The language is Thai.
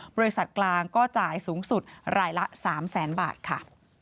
บริษัทกลางก็จ่ายสูงสุดรายละ๓แสนบาทค่ะ